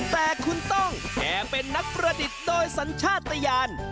แต่คุณต้องแถมเป็นนักประดิษฐ์โดยสัญชาติตะยาน